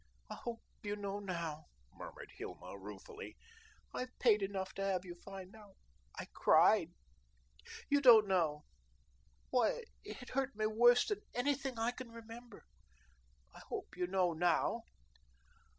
"I hope you know now," murmured Hilma ruefully. "I've paid enough to have you find out. I cried you don't know. Why, it hurt me worse than anything I can remember. I hope you know now."